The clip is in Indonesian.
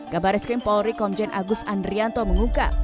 kabar reskrim polri komjen agus andrianto mengungkap